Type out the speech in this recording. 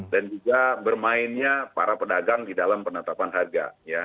dan juga bermainnya para pedagang di dalam penetapan harga